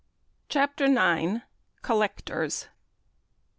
CHAPTER IX. COLLECTORS.